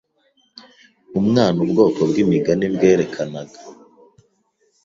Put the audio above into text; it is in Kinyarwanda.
Umwana ubwoko bwimigani bwerekanaga